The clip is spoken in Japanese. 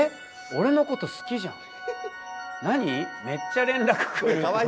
オレのこと好きじゃん」。